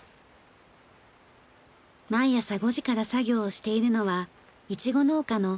毎朝５時から作業をしているのはイチゴ農家の。